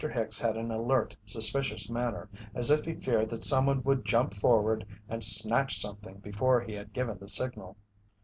Hicks had an alert, suspicious manner as if he feared that someone would jump forward and snatch something before he had given the signal.